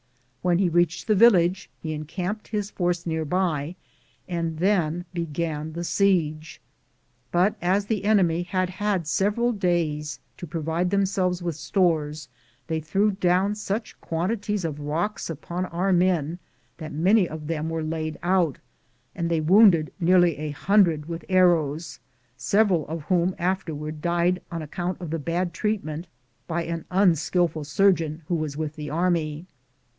When he reached the village, he encamped his force near by, and then began the siege; but as the enemy had had several days to provide themselves with stores, they threw down such quantities of rocks upon our men that many of them were laid out, and they wounded nearly a hundred with arrows, several of whom afterward died on account of the bad treatment by an unskillful surgeon who was with the army.